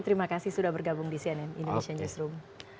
terima kasih sudah bergabung di cnn indonesia newsroom